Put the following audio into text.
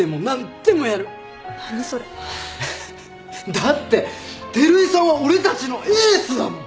だって照井さんは俺たちのエースだもん！